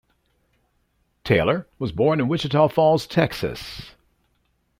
Taylor was born in Wichita Falls, Texas.